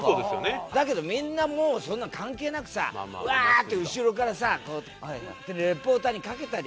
だけどみんなもうそんなの関係なくさワーッて後ろからさリポーターにかけたりするじゃない。